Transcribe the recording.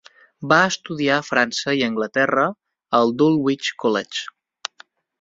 Va estudiar a França i Anglaterra al Dulwich College.